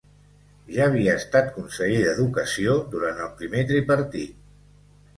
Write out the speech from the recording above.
Ja havia estat conseller d'Educació durant el primer tripartit.